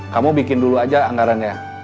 kamu bikin dulu aja anggarannya